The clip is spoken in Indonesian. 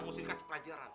mesti dikasih pelajaran